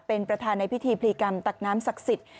เป็นประธานในพิธีพลีกรรมตักน้ำศักดิ์สิทธิ์